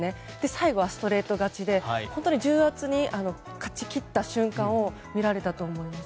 最後はストレート勝ちで本当に重圧に勝ち切った瞬間を見られたと思います。